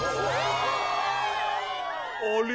あれ？